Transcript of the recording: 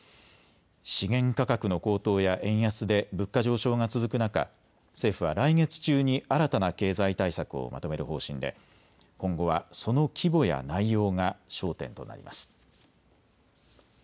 資源価格の高騰や円安で物価上昇が続く中、政府は来月中に新たな経済対策をまとめる方針で今後はその規模や内容が焦点となります。